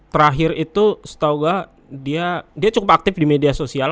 terakhir itu setau gak dia cukup aktif di media sosial